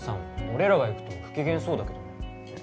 俺らが行くと不機嫌そうだけどね